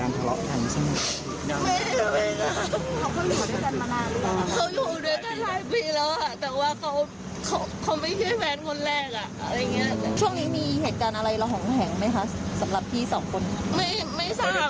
ไม่ทราบไม่ค่อยได้ติดต่อค่ะ